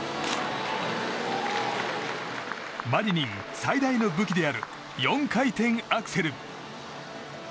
マリニン最大の武器である４回転アクセル。